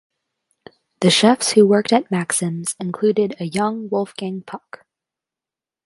The chefs who worked at Maxim's included a young Wolfgang Puck.